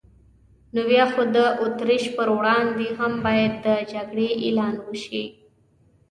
نو بیا خو د اتریش پر وړاندې هم باید د جګړې اعلان وشي.